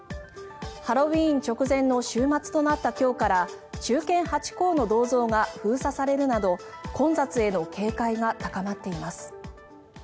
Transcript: ハロウィーン直前の週末となった今日から忠犬ハチ公の銅像が封鎖されるなど混雑への警戒が高まっています。